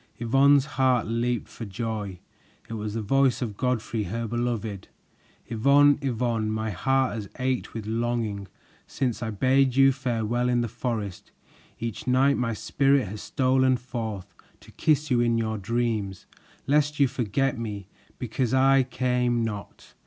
Yvonne's heart leaped for joy; it was the voice of Godfrey, her beloved! "Yvonne, Yvonne, my heart has ached with longing Since I bade you farewell in the forest. Each night my spirit has stolen forth To kiss you in your dreams Lest you forget me, because I came not.